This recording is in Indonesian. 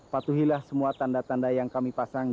patuhilah semua tanda tanda yang kami pasang